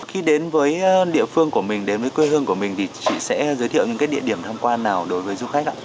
khi đến với địa phương của mình đến với quê hương của mình thì chị sẽ giới thiệu những cái địa điểm tham quan nào đối với du khách ạ